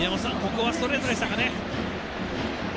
ここはストレートでしたかね。